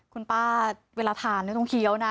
คุณป้าเวลาทานต้องเคี้ยวนะ